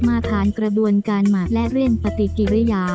มาทานกระบวนการหมักและเรื่องปฏิกิริยา